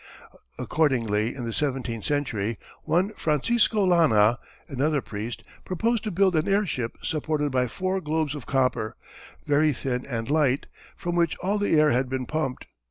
Accordingly in the seventeenth century, one Francisco Lana, another priest, proposed to build an airship supported by four globes of copper, very thin and light, from which all the air had been pumped.